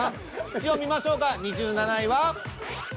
一応見ましょうか２７位は。